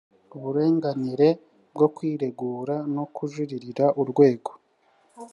uburenganira bwo kwiregura no kujuririra urwego